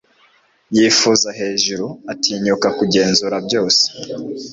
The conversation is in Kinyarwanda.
yifuza hejuru, atinyuka kugenzura byose